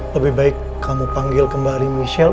lebih baik kamu panggil kembali michelle